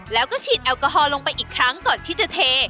แล้วก็ฉีดแอลกอฮอลลงไปอีกครั้งก่อนที่จะเท